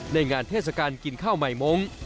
ในงานเทศกาลกินข้าวใหม่มงค์